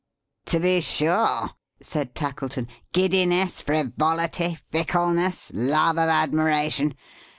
"To be sure," said Tackleton. "Giddiness, frivolity, fickleness, love of admiration!